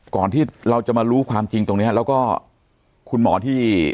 ก่อนที่เราจะมารู้ความจริงตรงนี้แล้วก็คุณหมอที่